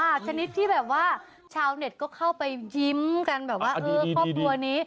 อ่ะชนิดที่แบบว่าชาวเน็ตเข้าไปยิ้มเยี่ยมกว่าประธาปุหรัสนี้น่ารักดี